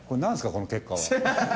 この結果は。